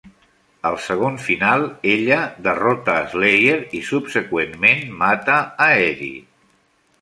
Al segon final, ella derrota a Slayer i subseqüentment mata a Eddie.